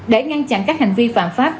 để ngăn chặn các hành vi phạm pháp